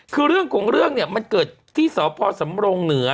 คือเรื่องของเรื่องเนี่ยมันเกิดที่สพสำรงเหนือ